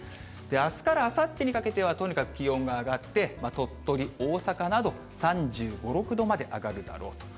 あすからあさってにかけては、とにかく気温が上がって、鳥取、大阪など、３５、６度まで上がるだろうと。